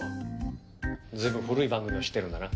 随分古い番組を知ってるんだな。